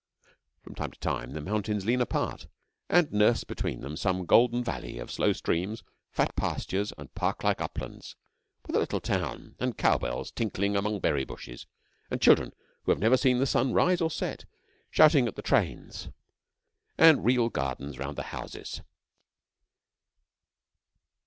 From time to time the mountains lean apart, and nurse between them some golden valley of slow streams, fat pastures, and park like uplands, with a little town, and cow bells tinkling among berry bushes; and children who have never seen the sun rise or set, shouting at the trains; and real gardens round the houses.